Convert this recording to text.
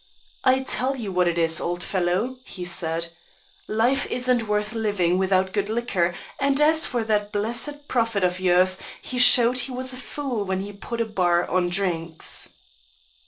"I'll tell you what it is, old fellow," he said, "life isn't worth living without good liquor, and as for that blessed Prophet of yours, he showed he was a fool when he put a bar on drinks."